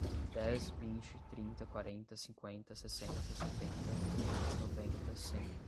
dez, vinte, trinta, quarenta, cinquenta, sessenta, setenta, oitenta, noventa, cem.